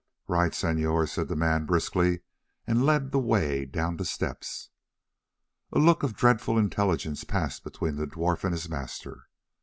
"Right, Senor," said the man briskly, and led the way down the steps. A look of dreadful intelligence passed between the dwarf and his master.